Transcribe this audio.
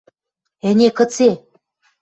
Ӹне кыце?